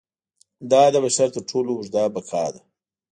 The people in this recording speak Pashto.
دا د بشر تر ټولو اوږده بقا ده.